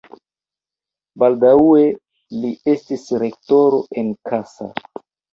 Baldaŭe li estis rektoro en Kassa.